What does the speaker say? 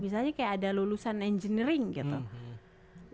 misalnya kayak ada lulusan engineering gitu